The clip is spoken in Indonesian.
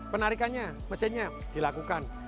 penarikannya mesinnya dilakukan